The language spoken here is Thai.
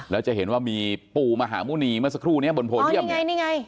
แล้วจะเห็นว่ามีปู่มหาหมู่นีเมื่อสักครู่เนี่ยบนโผล่เยี่ยมเนี่ย